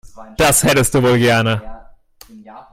Das hättest du wohl gerne.